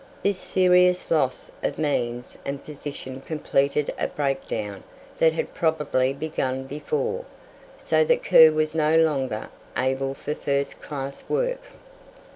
This serious loss of means and position completed a breakdown that had probably begun before, so that Kerr was no longer able for first class work.